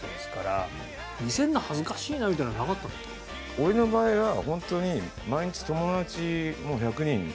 俺の場合はホントに。